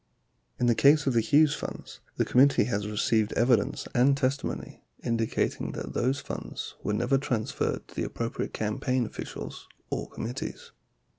37 In the case of the Hughes funds, the committee has received evidence and testimony indicating that those funds were never transferred to the appropriate campaign officials or committees.